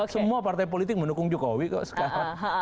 semua partai politik mendukung jokowi kok sekarang